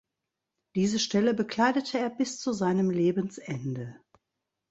Diese Stelle bekleidete er bis zu seinem Lebensende.